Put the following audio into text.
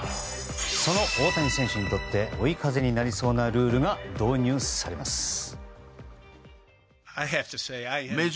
その大谷選手にとって追い風になりそうなルールが導入されます。